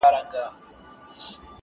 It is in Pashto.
هر څوک خپله کيسه لري تل,